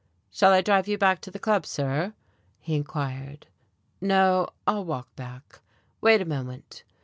"Shall I drive you back to the Club, sir?" he inquired. "No I'll walk back. Wait a moment."